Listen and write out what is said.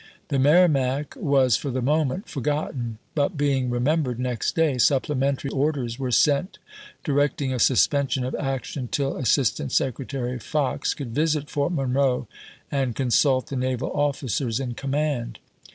The Merrimac was for the moment forgotten, but being remem bered next day, supplementary orders were sent directing a suspension of action till Assistant Sec retary Fox could visit Fort Monroe and consult the naval officers in command.